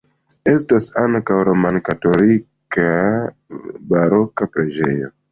Estas ankaŭ romkatolika baroka preĝejo.